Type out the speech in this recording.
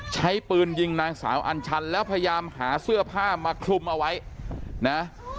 ใช้ปืนยิงนางสาวอัญชันแล้วพยายามหาเสื้อผ้ามาคลุมเอาไว้นะ